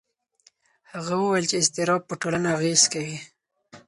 هغه وویل چې اضطراب په ټولنه اغېز کوي.